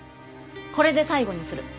これで最後にする。